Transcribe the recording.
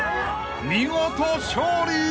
［見事勝利！］